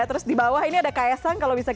terus di bawah ini ada kaya sang kalau bisa dilihat